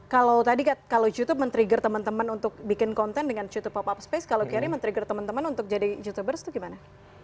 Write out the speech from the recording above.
kalau tadi kalau youtube men trigger teman teman untuk bikin konten dengan youtube pop up space kalau carry men trigger teman teman untuk jadi youtubers itu gimana